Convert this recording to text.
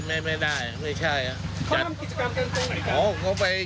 เค้าทำกิจกรรมไหนดิ